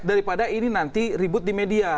daripada ini nanti ribut di media